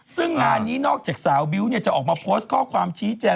ซึ่งงานนี้นอกจากสาวบิ๊วจะออกมาโพสต์ข้อความชี้แจง